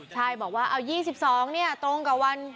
ใช่บอกว่า๒๒นี้ตรงกับวัน